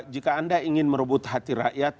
jika anda ingin merebut hati rakyat